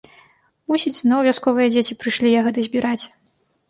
Мусіць, зноў вясковыя дзеці прыйшлі ягады збіраць.